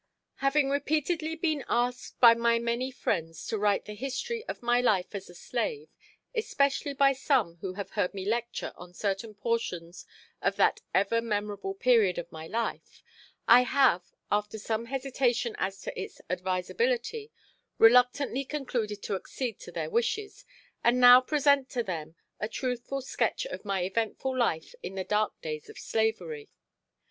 Having repeatedly been asked by my many friends to write the history of my life as a slave, especially by some who have heard me lecture on certain portions of that ever memorable period of my life, I have, after some hesitation as to its advisability, reluctantly concluded to accede to their wishes, and now present to them a truthful sketch of my eventful life in the dark days of slavery.